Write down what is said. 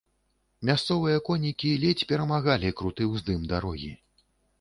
Мясцовыя конікі ледзь перамагалі круты ўздым дарогі.